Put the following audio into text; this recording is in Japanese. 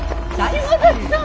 島崎さん！